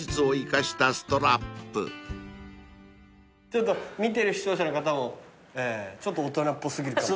ちょっと見てる視聴者の方もちょっと大人っぽ過ぎる。